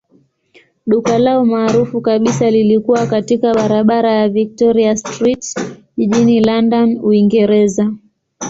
Duka lao maarufu kabisa lilikuwa katika barabara ya Victoria Street jijini London, Uingereza.